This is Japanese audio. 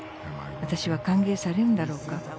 私は歓迎されるのだろうか。